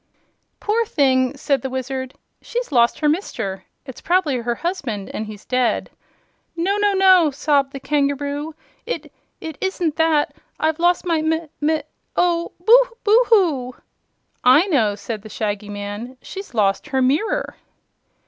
"Poor thing," said the Wizard, "she's lost her mister. It's probably her husband, and he's dead." "No, no, no!" sobbed the kangaroo. "It it isn't that. I've lost my mi mi Oh, boo, boo hoo!" "I know," said the Shaggy Man; "she's lost her mirror."